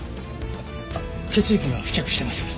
血液が付着しています。